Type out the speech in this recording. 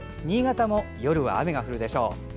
新潟も夜は雨が降るでしょう。